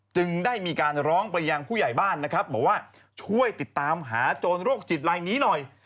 จึงได้มีการร้องไปยังผู้ใหญ่บ้านนะครับบอกว่าช่วยติดตามหาโจรโรคจิตลายนี้หน่อย